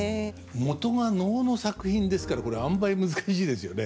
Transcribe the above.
もとが能の作品ですからこれ案配難しいですよね。